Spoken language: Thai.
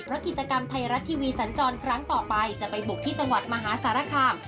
เพราะกิจกรรมไทยรัฐทีวีสันจรครั้งต่อไปจะไปบุกที่จังหวัดมหาสารคาม